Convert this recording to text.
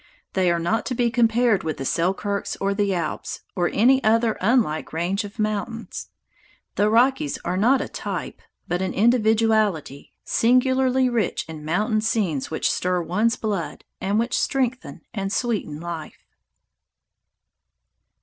They are not to be compared with the Selkirks or the Alps or any other unlike range of mountains. The Rockies are not a type, but an individuality, singularly rich in mountain scenes which stir one's blood and which strengthen and sweeten life.